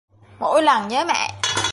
Mỗi lần nhớ mẹ